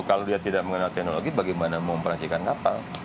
kalau dia tidak mengenal teknologi bagaimana mengoperasikan kapal